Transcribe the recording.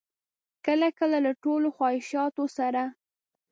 کله کله له ټولو خواهشاتو سره.